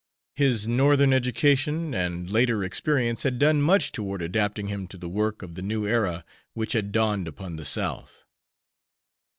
His Northern education and later experience had done much toward adapting him to the work of the new era which had dawned upon the South.